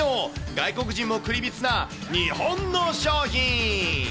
外国人もクリビツな日本の商品。